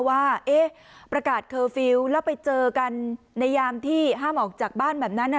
ว่าประกาศเคอร์ฟิลล์แล้วไปเจอกันในยามที่ห้ามออกจากบ้านแบบนั้น